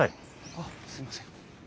あっすいません。